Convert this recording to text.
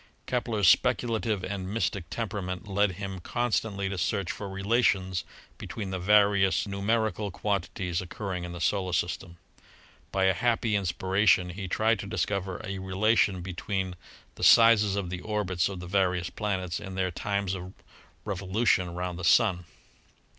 Kepler's speculative and mystic temperament led him con stantly to search for relations between the various numeri cal quantities occurring in the Solar System. By a happy Inspiration he tried to discover a relation between the PLANETARY DISTANCES 63 sizes of the orbits of the various planets and their times of revolution round the Sun.